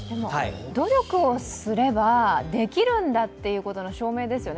努力をすればできるんだっていうことの証明ですよね。